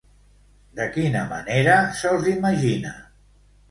De quina manera se'ls imagina?